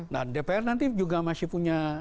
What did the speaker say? nah dpr nanti juga masih punya